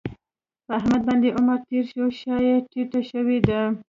په احمد باندې عمر تېر شوی شا یې ټیټه شوې ده.